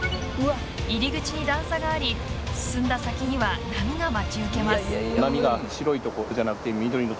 入り口に段差があり進んだ先には、波が待ち受けます。